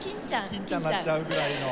欽ちゃんになっちゃうぐらいの。